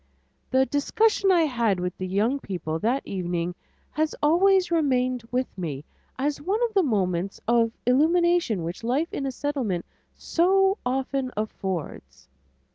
The discussion I had with the young people that evening has always remained with me as one of the moments of illumination which life in a Settlement so often affords.